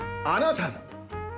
あなたの！